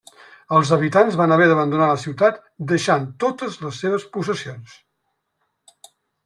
Els habitants van haver d'abandonar la ciutat deixant totes les seves possessions.